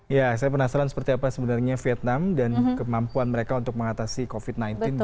ya saya penasaran seperti apa sebenarnya vietnam dan kemampuan mereka untuk mengatasi covid sembilan belas